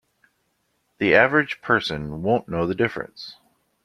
The average person won't know the difference.